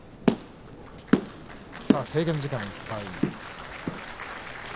制限時間いっぱいです。